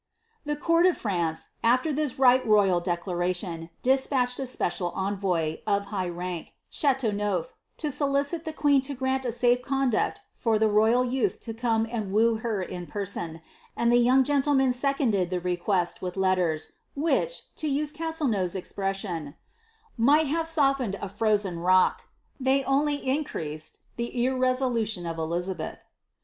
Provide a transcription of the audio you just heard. The court of France, after this right royal declaration, despatched a special envoy, of high rank, Chateauneuf, to solicit the queen to grant a safe conduct for the ro3ral youth to come and woo her in person, and the young gen tleman seconded the request with letters, which, to use Castelnau's ex pression, ^ might have softened a frozen rock," — they only increased the irresolution of Elizabeth.'